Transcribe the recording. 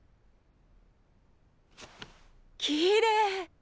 きれい。